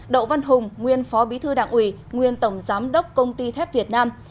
đậu văn hùng nguyên phó bí thư đảng ủy nguyên tổng giám đốc công ty thép việt nam